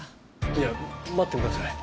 いや待ってください。